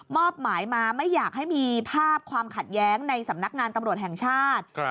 อบหมายมาไม่อยากให้มีภาพความขัดแย้งในสำนักงานตำรวจแห่งชาติ